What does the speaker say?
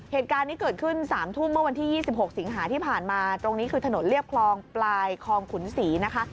เหตุการณ์นี้เกิดขึ้น๓ทุ่มเมื่อวันที่๒๖สิงหาที่ผ่านมาตรงนี้คือถนนเรียบคลองปลายคลองขุนศรีนะคะ